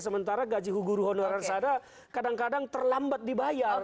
sementara gaji hukum guru honorar sada kadang kadang terlambat dibayar